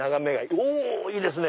おいいですね！